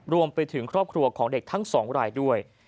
รวมไปถึงครอบครัวของเด็กทั้งสองรายด้วย